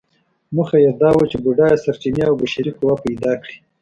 موخه یې دا وه چې بډایه سرچینې او بشري قوه پیدا کړي.